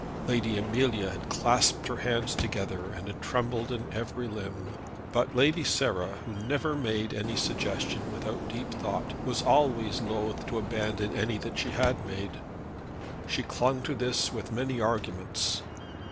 Lady Amelia had clasped her hands together and had trembled in every limb. But Lady Sarah, who never made any suggestion without deep thought, was always loth to abandon any that she had made. She clung to this with many arguments.